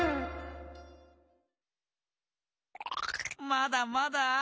まだまだ。